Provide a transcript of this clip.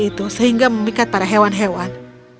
itu sehingga memikat para hewan hewan